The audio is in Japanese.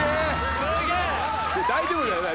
大丈夫だよね？